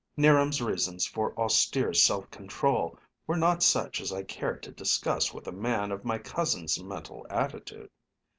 'Niram's reasons for austere self control were not such as I cared to discuss with a man of my cousin's mental attitude.